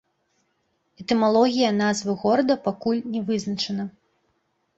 Этымалогія назвы горада пакуль не вызначана.